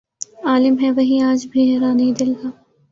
عالم ہے وہی آج بھی حیرانئ دل کا